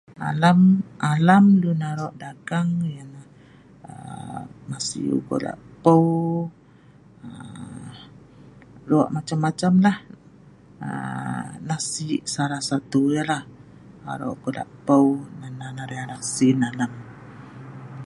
Alam alam lun arok dagang ialah aa masiu gula peu, aa lok macam macam lah aa neh si salah satu ya lah, arok gula peu neh nan sii arai alak sin alam